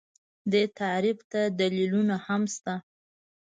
دې تعریف ته دلیلونه هم شته